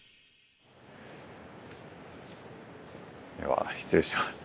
では失礼します。